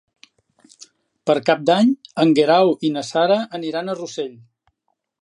Per Cap d'Any en Guerau i na Sara aniran a Rossell.